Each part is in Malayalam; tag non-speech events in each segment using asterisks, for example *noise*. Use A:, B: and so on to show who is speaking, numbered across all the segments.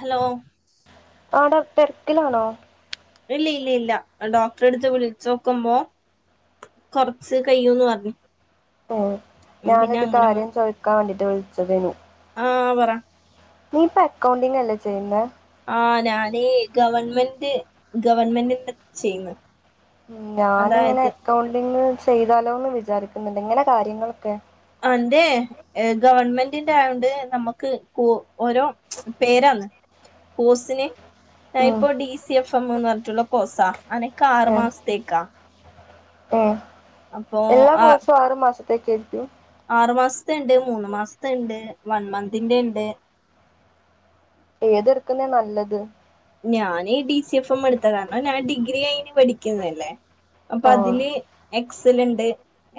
A: ഹെലോ
B: ആട തെരക്കിലാണോ
A: ഇല് ഇല്ലി ഇല്ല്യാ ഡോക്ടറട്ത്ത് വിളിച്ചോക്കുമ്പോ കൊർച്ച് കയ്യൂന്ന് പർഞ്ഞു
B: ഓഹ് ഞാനൊരു കാര്യം
A: വന്നത്
B: ചോയ്ക്കാൻ വേണ്ടിട്ട് വിളിച്ചതേനി
A: ആഹ് പറ
B: നീ ഇപ്പൊ എക്കൗണ്ടിംങ്ങല്ലേ ചെയ്യുന്നേ?
A: ആഹ് ഞാന് ഗവൺമെന്റ് ഗവൺമെന്റി ന്റാചെയ്യുന്നേ
B: ഞാന്ങ്ങെനെ അക്കൗണ്ടിങ് ചെയ്താലോ എന്ന് വിചാരിക്ക്ന്നുണ്ട് എങ്ങനെ കാര്യങ്ങളൊക്കെ
A: അന്റേ ഗവൺമെന്റിന്റെ ആയോണ്ട് നമ്മക്ക് കൂ ഓരോ പേരാന്ന് കോസിന്
B: ഉം
A: ടൈംപ് of D C F M ന്ന് പറഞ്ഞ്ട്ടുള്ള കോസാ അനക്ക് ആറു മാസത്തേക്കാ
B: ഏഹ്
A: അപ്പൊ
B: എല്ലാ കോഴ്സും ആറു മാസത്തേർക്കും
A: ആറ് മാസ്ത്തെണ്ട് മൂന്ന് മാസ്ത്തണ്ട് വൺ മന്ത്ന്റെ ഇണ്ട്
B: ഏത് എട്ക്ക്ന്നേ നല്ലത്
A: ഞാന് ഡി സി എഫ് എം എടുത്താ കാരണം ഞാൻ ഡിഗ്രി കഴിഞ്ഞ് പഠിക്കുന്നല്ലേ അപ്പോ
B: ആ
A: അതില് എക്സല്ണ്ട്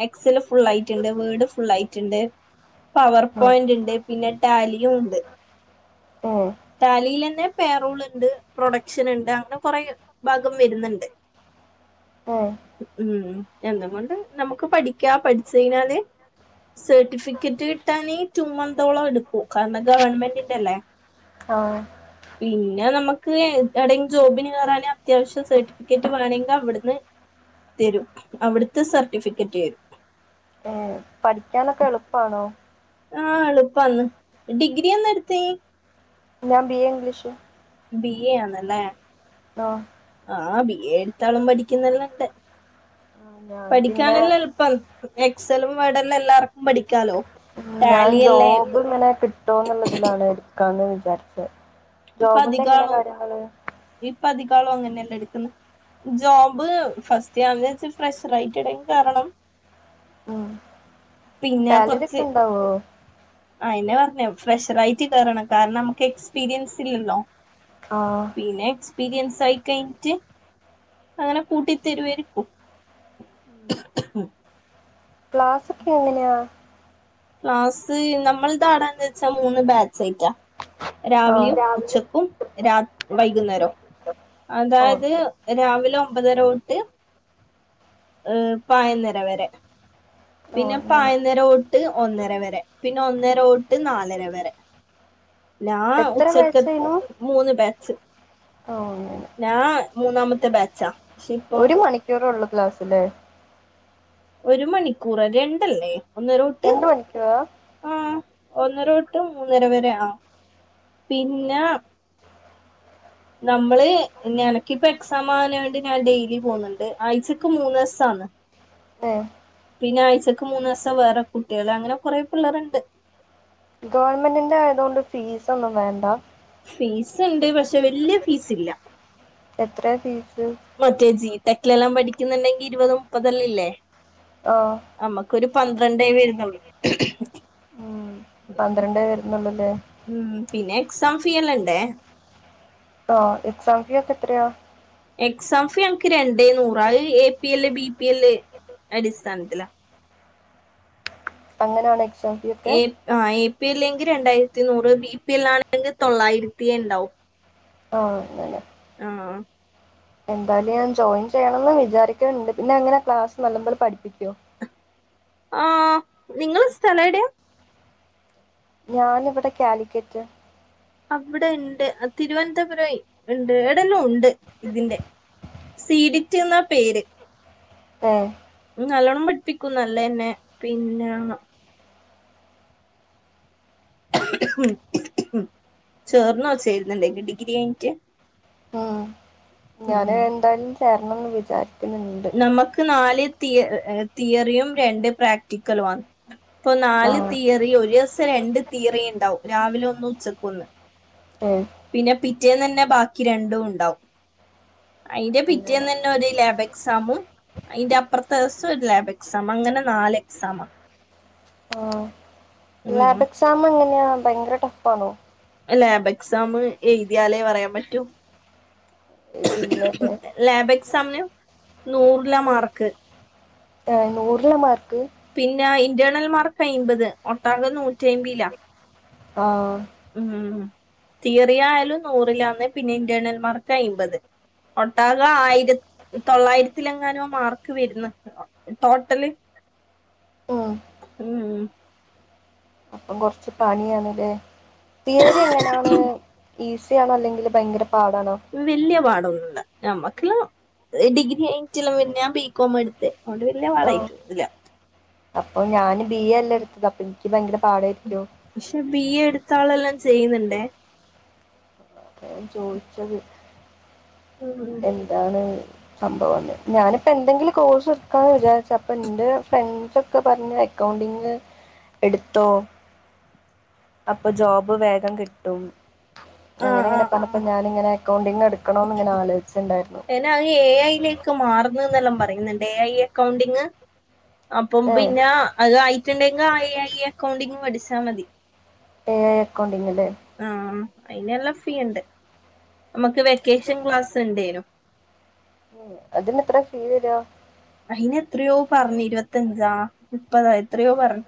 A: എക്സല് ഫുള്ളായിട്ട്ണ്ട് വേഡ് ഫുള്ളായിട്ട്ണ്ട് പ്പവർ
B: ഉം,
A: പോയിന്റ് ഇണ്ട് പിന്നെ ട്ടാലിയുണ്ട്
B: ഏ
A: ട്ടാ. പ്ലിലന്നെ പേ റൂള് ണ്ട് പ്രൊഡക്ഷന്ണ്ട് അങ്ങ് കൊറെ ഭാഗം വെര്ന്ന്ണ്ട്
B: ആഹ്
A: ഉം എന്ത്കൊണ്ട് നമുക്ക് പഠിക്ക്യാ പട്ച്ചഴിഞ്ഞാല് സെർട്ടിഫിക്കറ്റ് കിട്ടാൻ ഈ ട്ടു മന്തോളം എടുക്കൂ കാരണം, ഗവൺമെന്റിന്റെല്ലേ
B: ആഹ്
A: പിന്നെ നമ്മക്ക് എന് എടെങ്കി ജോബിന് കേറാന അത്യാവശ്യം സെർട്ടി ക്കറ്റ് വേണിങ്ക ഇവിട്ന്ന് തെരും അവിട്ത്തെ സെർട്ടിഫിക്കറ്റ് തെരു
B: ഏഹ് പഠിക്കാനൊക്കെ എളുപ്പാണോ?
A: ആഹ് എളുപ്പാന്ന്! ഡിഗ്രി എന്നെ എടുത്തേ?
B: ഞാൻ B. A English
A: B. A ആന്ന്ല്ലേ
B: ആഹ്
A: ആഹ് ബി. എ എട്ത്താളും പഠിക്കുന്നെല്ലാം ഇണ്ട്
B: ആ, ഞാൻ പിന്നെ
A: പഠിക്കാനെല്ലാം എളുപ്പം ആന്ന് എക്സലും വേഡ്ല് എല്ലാർക്കും പഠിക്കാലോ
B: ഉം ഞാൻ
A: ടാലിയല്ലേ
B: ജോബ്
A: ഇപ്പൊ
B: ഇങ്ങനെ കിട്ടോന്നുള്ളതിലാണ് എടുക്കാന്ന് വിചാരിച്ചോ
A: ഇപതികാളും ഇപ്പതികാളു അങ്ങനെല്ലെ എടുക്കുന്നേ ഉം ജോബ് ഫസ്റ്റ് യാർജിറിൽ വെച്ച് ഫ്രഷർ ആയിട്ട് എടെങ്കിലും കേറണം
B: ഉം സാലറി ഒക്കെ ഉണ്ടാവോ
A: ആ അയിന പർഞ്ഞേ ഫ്രഷറ ആയിട്ട് കേറണം കാരണം നമുക്കേ എക്സ്പീരിയൻസ് ഇല്ലല്ലോ
B: ആഹ്
A: പിന്നെ എക്സ്പീരിയൻസ് ആയി കഴിഞ്ഞിട്ട് അങ്ങനെ കൂട്ടി തരുവായിരിക്കും
B: ക്ലാസ് ഒക്കെ എങ്ങനെയാ
A: ക്ലാസ് നമ്മൾ താടാന്ന് വെച്ചാ മൂന്ന് ബാച്ചായിട്ടാ
B: ആ
A: രാവിലെയും
B: രാവിലെ
A: ഉച്ചക്കും രാ വൈകുന്നേരം
B: ഓ
A: അതായത് രാവിലെ ഒമ്പതര തൊട്ട് ഏഹ് പായന്നര വരെ
B: ഓ
A: പിന്നെ
B: അങ്ങനെ
A: പായന്നര തൊ ട്ട് ഒന്നര വരെ പിന്നെ ഒന്നര തൊട്ട് നാലര വരെ ഞാ
B: എത്ര
A: ഉച്ചക്ക മൂന്ന് ബാച്ച്
B: ആ *unintelligible*
A: ഞാ മൂന്നാമത്തെ ബാച്ചാ പക്ഷെ ഇപ്പൊ
B: ഒരു മണിക്കൂറ് ഒള്ള് ക്ലാസ്സ്ല്ലേ
A: ഒരു മണിക്കൂറോ രണ്ടല്ലേ ഒന്നര തൊട്ട്
B: രണ്ട് മണിക്കൂറാ
A: ആഹ് ഒന്നര തൊട്ട് മൂന്നര വരെ ആ പിന്നെ നമ്മള് നിനക്കിപ്പ എക്സാം ആമാന കൊണ്ട് ഞാൻ ഡെയിലി പോന്ന്ണ്ട് ആഴ്ചക്ക് മൂന്നീസ ആന്ന്
B: ഏഹ്
A: പിന്നെ ആഴ്ചക്ക് മൂന്ന് സം വേറെ കുട്ടികൾ അങ്ങനെ കൊറേ പിള്ളേർ ഒണ്ട്
B: ഗവൺമെൻ്റ് ഇന്റെ ആയതുകൊണ്ട് ഫീസ് ഒന്നും വേണ്ടേ
A: ഫീസ് ഉണ്ട് പക്ഷെ വല്യ ഫീസ് ഇല്ല
B: എത്ര ഫീസ്
A: മറ്റേജി ടെക്കിലെല്ലാം പഠിക്കുന്നുണ്ടെങ്കി ഇരുപത് മുപ്പതല്ല ഇല്ലേ
B: ആഹ്
A: അമ്മക്കൊരു പന്ത്രണ്ടേ വെരുന്നുള്ളൂ
B: ഉം പന്ത്രണ്ടേ വരുന്നുള്ളുല്ലേ
A: ഉം പിന്നെ എക്സാം ഫീയല്ലാം ണ്ടേ
B: ആഹ് എക്സാം ഫി ഇപ്പ എത്രയ
A: എക്സാം ഫീ ഞങ്ങക്ക് രണ്ടേ നൂറാ അത് A P L B P L അടിസ്ഥാനത്തിലാ
B: അങ്ങനെ ആണെ
A: എ എ പി ൽ എല്ലെങ്കിൽ രണ്ടായിരത്തി നൂറ് ബി പി ൽ ആണെങ്കിൽ തൊള്ളായിരത്തി എണ്ടാവും
B: ആഹ് അങ്ങനെ
A: ആഹ്
B: എന്തായാലും ഞാൻ ജോയിൻ ചെയ്യണം എന്ന് വിചാരിക്കുന്നുണ്ട് പിന്നെങ്ങനെ ക്ലാസ് നല്ലപോൽ പഠിപ്പിക്കുവോ
A: ആഹ് നിങ്ങള് സ്ഥല എവിടെയ
B: ഞാന് ഇവടെ ക്യാലിക്കറ്റ്
A: അവിടെ ഒണ്ട് തിരുവനന്തപുരം എണ്ട് എവിടെല്ലാം ഒണ്ട് ഇതിന്റെ സീഡിറ്റ് എന്നാ പേര്
B: *unintelligible*
A: വ് നല്ലോണം പഠിപ്പിക്കും നല്ലയ്ന്നെ പിന്നെ ഉം ഉം ചേർന്നോ ചേര്ന്നുണ്ടോ എ ഡിഗ്രി കഴിഞ്ഞിട്ട്
B: ഉം ഞാന്
A: ഉം
B: എന്തായാലും ചേരണം ന്ന് വിചാരിക്ക്ണ്
A: നമ്മക്ക് നാലിൽ തി തീയറിയും രണ്ട് പ്രാക്ടിക്കലുവാണ് ഇപ്പൊ
B: ആ
A: നാല് തീയറി ഒരു ദിവസം രണ്ട് തീയറി ഇണ്ടാവും രാവിലെ ഒന്ന് ഉച്ചക്കൊന്ന്
B: ഏഹ്
A: പിന്നെ പിറ്റേന്ന് അന്നെ ബാക്കി രണ്ടും ഉണ്ടാവും അയിന്റെ
B: അങ്ങനെ
A: പിറ്റേന്ന് തന്നെ ഒരു ലാബ സാമും അയിന്റെ അപ്പർത്തെ ദിവസം ഒരു ലാബ് എക്സാം അങ്ങനെ നാല് എക്സാമാ
B: ആ
A: ഉം
B: ലാബ് എക്സാം എങ്ങനെയാ ഭയങ്കര ടഫ് ആണോ
A: ലാബ് എക്സാം എഴുതിയാലേ പറയാൻ പറ്റൂ
B: *unintelligible* പിന്നെ എ
A: ലാബ് എക്സാമിന് നൂറില മാർക്ക്
B: ഏഹ് നൂറില മാർക്ക്
A: പിന്നെ ഇന്റേർണൽ മാർക്ക് അമ്പത് ഒട്ടാകെ നൂറ്റി അയ്മ്പയ്ല
B: ആഹ്
A: തിയറി ആയാലും നൂറിലാന്ന് പിന്നെ ഇന്റേണൽമാർക്ക് അയിമ്പത്. ഒട്ടാക ആയിര തൊള്ളായിരത്തിലെങ്ങാനോ മാർക്ക് വരുന്ന ടോട്ടല്
B: ഉം.
A: ഉം
B: അപ്പൊ കൊർച്ച് പണിയാണ്ല്ലേ തിയറി എങ്ങനെയാണ്? ഈസിയണോ അല്ലെങ്കിൽ ഭയങ്കര പാടാണോ?
A: വെല്യ പാടൊന്നുല്ല ഞമ്മ്വക്ക്ല ഡിഗ്രിഎയ്റ്റില പിന്നെ ഞാൻ ബി കോമാ എടുതെ അതൊണ്ട് വെലിയ പാടായിട്ടോന്നുല്ല
B: അപ്പൊ ഞാന് ബി എ ല്ലേ എടുത്തത് അപ്പൊ ഇൻകി ഭയങ്കര പാടായിരിക്കോ?
A: ക്ഷെ ബി എ എടുത്ത ആളെല്ലാം ചെയ്യുന്നുണ്ടേ
B: അതാ ചോദിച്ചത്.
A: ഉം
B: എന്താണ്? സംഭവന്ന് ഞാനിപ്പ എന്തെങ്കിലും കോഴ്സ് എടുക്കാന്ന് വിചാരിച്ച അപ്പ ന്റെ ഫ്രണ്ട്സ് ഒക്കെ പറഞ് അക്കൗണ്ടിംങ്ങ് എടുത്തോ അപ്പൊ ജോബ് വേഗം കിട്ടും. അങ്ങനെ
A: ആഹ്
B: എങ്ങനെ
A: ആഹ്
B: പറഞ്ഞപ്പോ
A: ആഹ്
B: ഞാന്ങ്ങനെ അക്കൗണ്ടിങ് എടുക്ണോന്ന് ഇങ്ങനെ ആലോചിച്ചിണ്ടായിരുന്നു.
A: പിന്നെ അഹ് എ ഐയിലേക്ക് മാറുന്ന് എന്നെല്ലാം പറയുന്ന്ണ്ട് എ ഐ അക്കൗണ്ടിങ്. അപ്പം
B: ഏ
A: പിന്നെ അത് ആയിട്ടുണ്ടെങ്കിൽ ആ എ ഐ അക്കൗണ്ടിങ് പഠിച്ചാൽ മതി.
B: ഏ ഐ അക്കൗണ്ടിങ്ല്ലേ?
A: ആഹ് അയിന് എല്ലാം ഫീ ഇണ്ട് അമ്മക്ക് വെക്കേഷൻ ക്ലാസ് ണ്ടേനും
B: ഉം അതിന് എത്ര ഫീ വെരാ?
A: അയിന് എത്രയോ പറഞ് ഇരുപത്തഞ്ചാ മുപ്പതാ എത്രയോ പർന്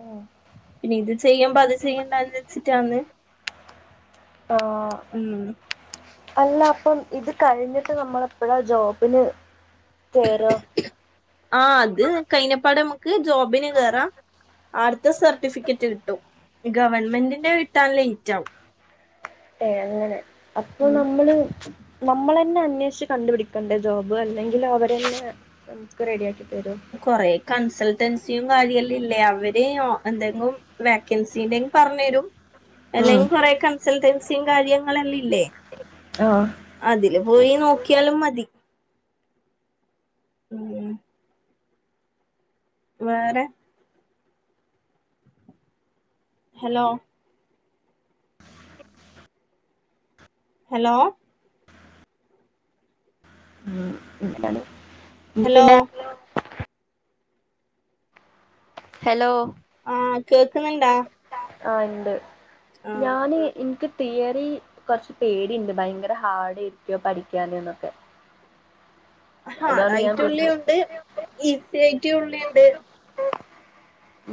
B: ഉം.
A: പിന്നെ ഇത് ചെയ്യ്മ്പൊ അത് ചെയ്യണ്ടന്ന് വെച്ചിട്ടാന്ന്.
B: ആഹ്
A: ഉം
B: അല്ല അപ്പം ഇത് കഴിഞ്ഞിട്ട് നമ്മളെപ്പോഴാ ജോബിന് കേറാ?
A: ആഹ് അത് കഴഞ്ഞപ്പാട് അമക്ക് ജോബിന് കേറാം. ആട്ത്ത സർട്ടിഫിക്കറ്റ് കിട്ടും ഗവൺമെന്റിന്റെ കിട്ടാൻ ലെയ്റ്റാവും
B: ഏഹ് അങ്ങനെ അപ്പൊ
A: ഉം
B: നമ്മള് നമ്മളെന്നെ അന്വേഷിച്ച് കണ്ടുപിടിക്കണ്ടേ ജോബ് അല്ലെങ്കിൽ അവരന്നെ നമ്ക്ക് റെഡി ആക്കി തരോ?
A: കൊറെ കൺസൾട്ടൻസിയും കാര്യല്ലാം ഇല്ലേ അവര് ഓ എന്തെങ്കും വാക്കൻസിടേ പറഞ്ഞരും.
B: ഉം
A: എല്ലെങ്കും കൊറേ കൺസൾട്ടൻസിയും കാര്യങ്ങളെല്ലാം ഇല്ലേ?
B: ആഹ്
A: അതില് പോയി നോക്കിയാലും മതി. ഉം വേറെ ഹലോ ഹലോ
B: ആഹ് ഇങ്ങനാണ്
A: ഹലോ
B: ഹലോ
A: ആഹ് കേക്ന്ന്ണ്ടാ?
B: ആഹ് ഉണ്ട് ഞാന്
A: ആഹ്
B: ഇൻക്ക് തിയറി കൊർച്ച് പേടിണ്ട് ഭയങ്കര ഹാർഡയിരിക്കോ പഠിക്കാന്ന്നൊക്കെ? ഞാൻ
A: ഹാഡൈറ്റ്
B: പിന്നെ
A: ഉുള്ള്യുണ്ട് ഈസി ആയിറ്റ്യു ഉള്ളി ഉണ്ട്.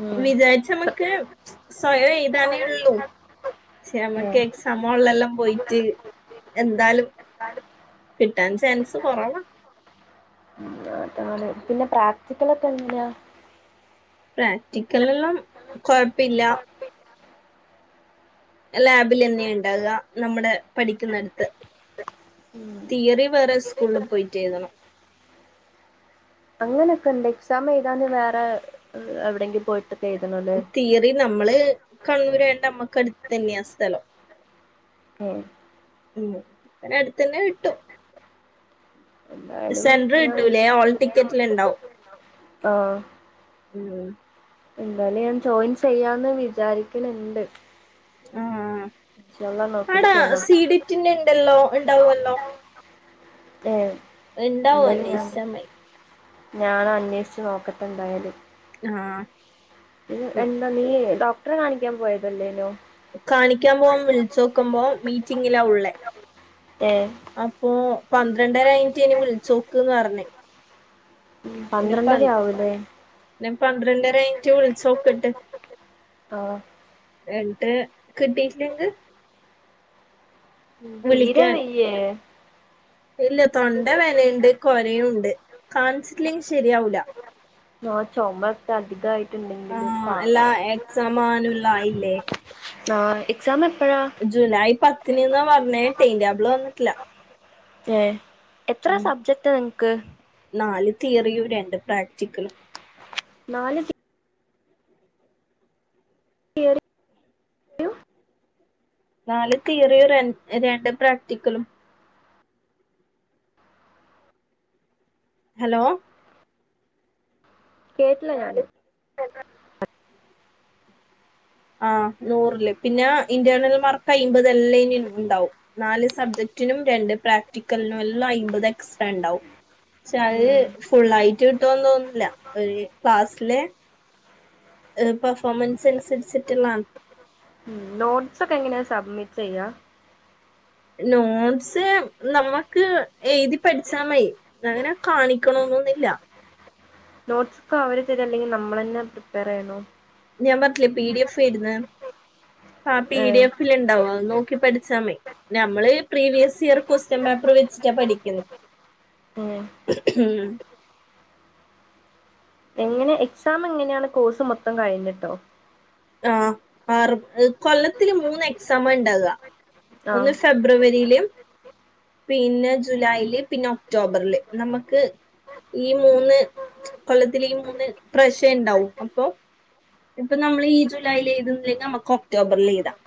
B: ഉം
A: വിചാരിച്ച നമ്മക്ക് സ്വയം എഴുതാനേ ഉള്ളൂ പക്ഷെ നമ്മക്ക് എക്സ സമിലെല്ലാം പോയിട്ട് എന്താലും കിട്ടാൻ ചാൻസ് കുറവാ
B: ഉ അതാണ് പിന്നെ പ്രാക്ടിക്കലൊ ക്കെങ്ങനെയാ
A: പ്രാക്ടിക്കൽ എല്ലാം കൊഴപ്പില്ല ലാബിൽന്നെ ഉണ്ടാകുക നമ്മുടെ പഠിക്കുന്നടുത്ത്
B: ഉം
A: തിയറി വേറെ സ്കൂളിൽ പോയിറ്റ് എഴുതണം
B: അങ്ങനെയൊക്കെ ഉണ്ട് എക്സാം എഴതാ വേറെ എവിടെയെങ്കിലും പോയിട്ടൊക്കെ എഴുതണല്ലെ
A: തിയറി നമ്മള് കണ്ണൂരായിട്ട് അമ്മക്ക് അടുത്ത് തന്നെയാസ്ഥലം
B: ഉ
A: ഉം അന അടുത്ത്ന്നെ കിട്ടും
B: എന്തായാലും
A: സെന്റർ
B: ഞാൻ
A: കിട്ടൂലേ ഓൾ ടിക്കറ്റിൽണ്ടാവും
B: ആഹ്
A: ഉം
B: എന്തായാലും ഞാൻ ജോയിൻ ചെയ്യാന്ന് വിചാരിക്കണുണ്ട്
A: ആ
B: ഇൻഷാല്ല നോക്കിയിട്ട്
A: അടാ
B: ചെയ്യണം
A: സീഡിറ്റിന്റെ ഉണ്ടല്ലോ ഉണ്ടാവൊല്ലോ
B: ഏ
A: ഇണ്ടാവും
B: എന്തായാലും ഞാൻ
A: അന്വേഷിച്ചാമതി
B: ഞാന അന്വേഷിച്ച് നോക്കട്ടെ ഉണ്ടായാല്
A: ആഹ്
B: ഇ
A: ഉം
B: എന്താ നീ ഡോക്ടറെ കാണിക്കാൻ പോയതല്ലേനോ
A: കാണിക്കാൻ പോം വിളിച്ചോ ക്കുമ്പൊ മീറ്റിങ്ങിലാ ഉള്ളേ
B: അ *unintelligible*
A: അപ്പൊ പന്ത്രണ്ടരഴിഞ്ഞിട്ട് ഇനി വിളിച്ച് നോക്ക്ന്ന് പറഞ്ഞ്
B: ഉ പന്ത്രണ്ടര ആവൂല്ലേ
A: ഞാൻ പന്ത്രണ്ടരഴിഞ്ഞിട്ട് വിളിച്ചോക്കട്ട്
B: ആഹ്
A: എന്നിട്ട് കിട്ടിട്ടില്ലെങ്കിൽ
B: ഉ തീരെ
A: വിളിക്കാൻ
B: വയ്യേ
A: ഇല്ല തൊണ്ടവേദനയുണ്ട് കൊരയും ഉണ്ട് കാണിചിട്ടില്ലെങ്കില് ശരിയാവൂ ല
B: ആഹ് ച്ചൊമപ്പ അധികായി
A: ആ എല്ലാ എക്സാമാനുള്ളതായില്ലേ
B: ആഹ് എക്സാം എപ്പഴ
A: ജൂലൈ പത്തിന്ന്ന് പറഞ്ഞേതൈന്റെബ് ള് വന്നിട്ടില്ല
B: ഏ എത്ര
A: ഉം
B: സബ്ജക്റ്റാ നിങ്ങക്ക്
A: നാല് തീയറിയും രണ്ട് പ്രാക്ടിക്കലും
B: നാല് തി
A: ഉ *unintelligible*
B: *inaudible*
A: നാല് തിയറിയും രണ്ട് പ്രാക്ടിക്കലും ഹലോ
B: കേട്ടില്ല ഞാന്
A: ആഹ് നൂറില് പിന്നാ ഇന്റേർണൽ മാർക്ക് അയിമ്പത് എല്ലായ്നും ഉണ്ടാവും നാല് സബ്ജക്ടിനും രണ്ട് പ്രാക്ടിക്കലിനും എല്ലാം അയ്മ്പത് എക്സ്ട്രാണ്ടാവും പക്ഷെ
B: ഉം
A: അത് ഫുള്ളായിട്ട് കിട്ടോന്ന് തോന്ന്ന്നില്ല ഒരു ക്ലാസ്സിലെ പെർഫോമൻസ് അനുസരിച്ചിട്ടുള്ളാണ്
B: ഉ നോട്ട്സ് ഒക്കെ എങ്ങനെയാ സബ്മിറ്റ് ചെയ്യുക
A: നോട്ട്സ് നമുക്ക് എഴുതി പഠിച്ചാൽ മതി അങ്ങനെ കാണിക്കണന്നൊന്നില്ല
B: നോട്ട്സ് ഒക്കെ അവര് തരി അല്ലെങ്കിൽ നമ്മൾ തന്നെ പ്രിപ്പയർ ചെയ്യണൊ
A: ഞാൻ പറിഞ്ഞിട്ടില്ലേ പി ഡി എഫ് ഇടുന്ന ആ പി ഡി
B: ഏഹ്
A: എഫിൽ ഉണ്ടാവോ അത് നോക്കി പ ഠിച്ചാമയി നമ്മള് പ്രീവിയസ് ഇയർ ക്വസ്റ്റ്യൻ പേപ്പർ വെച്ചിട്ടാ പഠിക്കുന്ന
B: ഉം
A: ഉം
B: എങ്ങനെ എക്സാം എങ്ങനെയാണ് കോഴ്സ് മൊത്തം കഴിഞ്ഞിട്ടോ?
A: ആ ആ കൊല്ലത്തില് മൂന്ന് എക്സാം ഉണ്ടാവ ഒന്ന്
B: ആഹ്
A: ഫെബ്ര ഫെബ്രുവരിയില് പിന്നെ ജൂലൈല് പിന്നെ ഒക്ടോബറില് നമുക്ക് ഈ മൂന്ന് കൊല്ലത്തിൽ ഈ മൂന്ന് പ്രശ ഉണ്ടാവും അപ്പൊ ഇപ്പൊ നമ്മള് ഈ ജൂലൈൽ എഴുതുന്നില്ലെങ്കിൽ നമുക്ക് ഒക്ടോബറിൽ എഴുതാം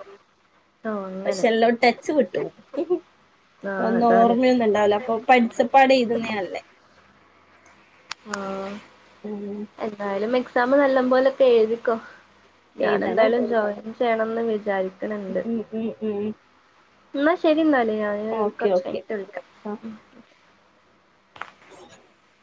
B: ഓഹ്
A: പക്ഷെ
B: അങ്ങനെ
A: എല്ലാം ടച്ച് വിട്ടുപോകും
B: ആഹ്
A: ഒന്നു
B: അതാണ്
A: ഓർമ്മയൊന്നും ഇണ്ടാവുല അപ്പൊ പഠിച്ചപ്പാട് എഴതുന്നേ അല്ലേ
B: ആ
A: ഉം
B: എന്തായാലും എക്സാം നല്ല പോലൊക്കെ എഴുതിക്കോ ഞാൻ
A: എഴുതണം
B: എന്തായാലും ജോയിൻ ചെയ്യണം
A: ഉം
B: വിചാരിക്ക്ണണ്ട്
A: ഉം ഉം ഉം.
B: എന്നാ ശരി എന്നാലേ ഞാൻ
A: ഓക്കെ
B: കുറച്ച്
A: ഓക്കെ
B: കഴിഞ്ഞിട്ട് വിളിക്കാ
A: ആ *inaudible*